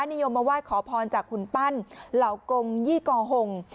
นิยมมาไหว้ขอพรจากหุ่นปั้นเหล่ากงยี่กอหง